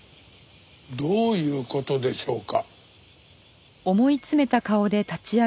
どういう事でしょうか？